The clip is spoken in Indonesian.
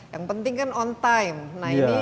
yang penting kan on time nah ini